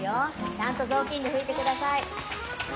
ちゃんとぞうきんでふいてください。